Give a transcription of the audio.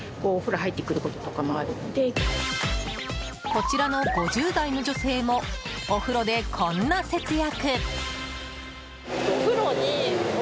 こちらの５０代の女性もお風呂でこんな節約。